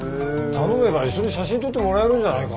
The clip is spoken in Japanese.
頼めば一緒に写真撮ってもらえるんじゃないか？